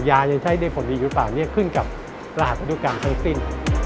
ยายังใช้ได้ผลดีอยู่หรือเปล่าขึ้นกับรหัสพันธุกรรมทั้งสิ้น